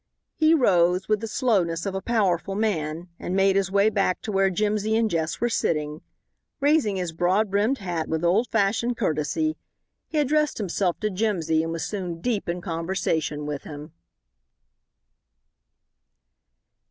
He rose, with the slowness of a powerful man, and made his way back to where Jimsy and Jess were sitting. Raising his broad brimmed hat with old fashioned courtesy, he addressed himself to Jimsy and was soon deep in conversation with him.